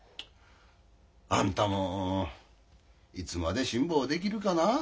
あんたもいつまで辛抱できるかな。